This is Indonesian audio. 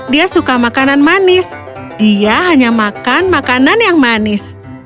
dia suka makanan manis dia hanya makan makanan yang manis